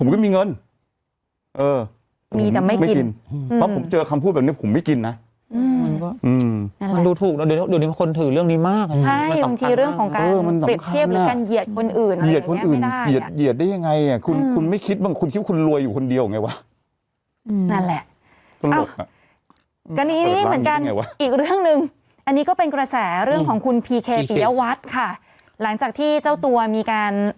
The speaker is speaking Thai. อืมมันดูถูกนะเดี๋ยวนี้คนถือเรื่องนี้มากมันสำคัญมากใช่บางทีเรื่องของการเปรียบเทียบหรือการเหยียดคนอื่นเหยียดคนอื่นเหยียดได้ยังไงอ่ะคุณไม่คิดบ้างคุณคิดว่าคุณรวยอยู่คนเดียวไงวะนั่นแหละก็นี่นี่เหมือนกันอีกเรื่องนึงอันนี้ก็เป็นกระแสเรื่องของคุณพีเคปียาวัสค่ะหลังจากที่เจ้าตัวมีการอ